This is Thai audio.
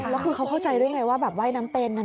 แล้วคือเขาเข้าใจด้วยไงว่าแบบว่ายน้ำเป็น